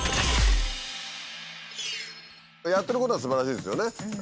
やってることがすばらしいですよね。